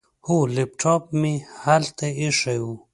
هو، لیپټاپ مې هلته ایښی و.